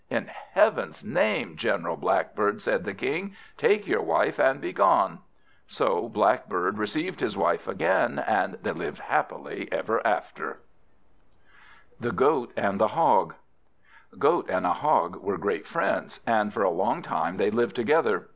"In Heaven's name, General Blackbird," said the King, "take your wife, and begone." So Blackbird received his wife again, and they lived happily ever after. The Goat and the Hog A GOAT and a Hog were great friends, and for a long time they lived together.